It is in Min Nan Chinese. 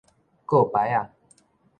划棑仔